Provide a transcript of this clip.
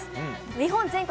日本全国